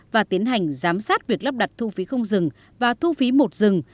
và tiến hành giám sát việc lắp đặt thu phí không dừng và thu phí một dừng